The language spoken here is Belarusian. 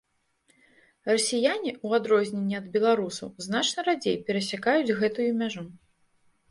Расіяне, у адрозненне ад беларусаў, значна радзей перасякаюць гэтую мяжу.